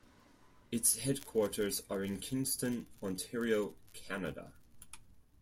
Its headquarters are in Kingston, Ontario, Canada.